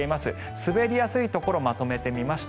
滑りやすいところをまとめてみました。